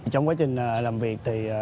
trong quá trình làm việc